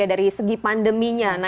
dari segi pandemi nya